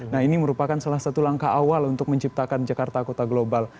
nah ini merupakan salah satu langkah awal untuk menciptakan jakarta kota global